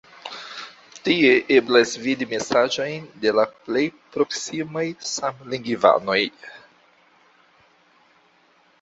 Tie eblas vidi mesaĝojn de la plej proksimaj samlingvanoj.